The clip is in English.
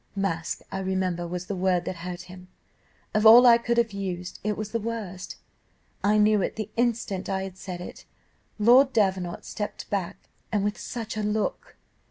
Mask, I remember, was the word that hurt him. Of all I could have used, it was the worst: I knew it the instant I had said it. Lord Davenant stepped back, and with such a look!